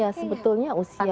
ya sebetulnya usia